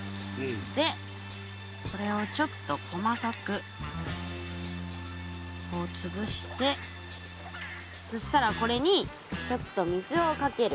でこれをちょっと細かくつぶしてそしたらこれにちょっと水をかける。